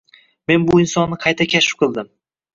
Men bu insonni qayta kashf qildim.